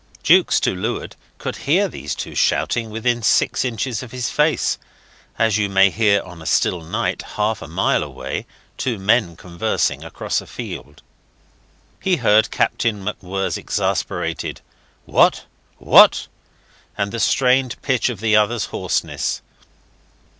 Jukes to leeward could hear these two shouting within six inches of his face, as you may hear on a still night half a mile away two men conversing across a field. He heard Captain MacWhirr's exasperated "What? What?" and the strained pitch of the other's hoarseness.